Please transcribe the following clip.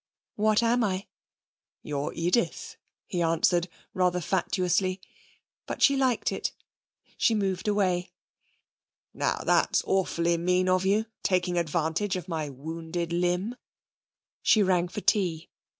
'What am I?' 'You're Edith,' he answered, rather fatuously. But she liked it. She moved away. 'Now that's awfully mean of you, taking advantage of my wounded limb.' She rang for tea.